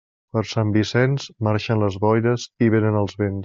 Per Sant Vicenç, marxen les boires i vénen els vents.